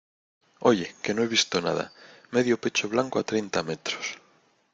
oye, que no he visto nada , medio pecho blanco a treinta metros.